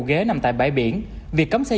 ghế nằm tại bãi biển việc cấm xe